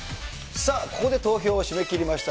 さあ、ここで投票を締め切りました。